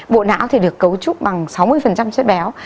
bộ não thì được cấu trúc bằng sáu mươi chất béo